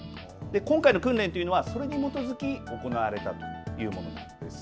今回の訓練というのはそれに基づき行われたというものなんです。